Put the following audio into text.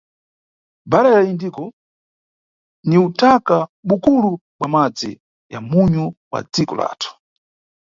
Bhara la Indiko ni utaka bukulu bwa madzi ya munyu bwa dziko lathu.